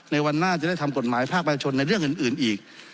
ในวันหน้าจะได้ทำกฎหมายภาคประชาชนในเรื่องอื่นอีก